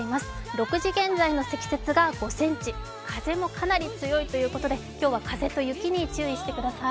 ６時現在の積雪が５ｃｍ、風もかなり強いということで、今日は風と雪に注意してください。